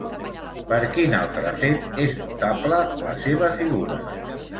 Per quin altre fet és notable, la seva figura?